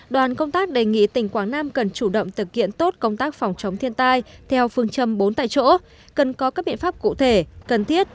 đoàn công tác đề nghị tỉnh quảng nam cần chủ động thực hiện tốt công tác phòng chống thiên tai theo phương châm bốn tại chỗ cần có các biện pháp cụ thể cần thiết